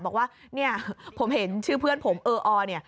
บอกว่าเนี่ยผมเห็นชื่อเพื่อนผมเอออเนี่ย